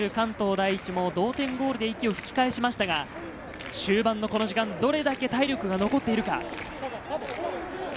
関東第一も同点ゴールで息を吹き返しましたが、終盤のこの時間、どれだけ体力が残っているか？